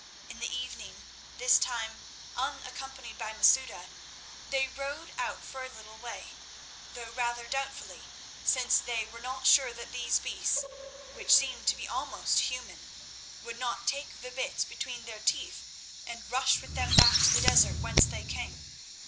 In the evening, this time unaccompanied by Masouda, they rode out for a little way, though rather doubtfully, since they were not sure that these beasts which seemed to be almost human would not take the bits between their teeth and rush with them back to the desert whence they came.